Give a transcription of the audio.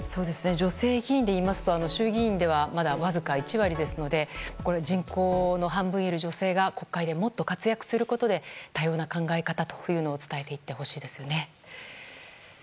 女性議員で言いますと衆議院では１割ですので人口の半分、女性が国会でもっと活躍することで多様な考え方を伝えてほしいですね。